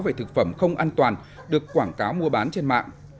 về thực phẩm không an toàn được quảng cáo mua bán trên mạng